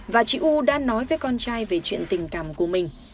và chị u đã nói với con trai về chuyện tình cảm của mình